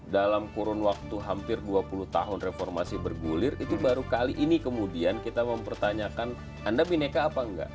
dalam kurun waktu hampir dua puluh tahun reformasi bergulir itu baru kali ini kemudian kita mempertanyakan anda bineka apa enggak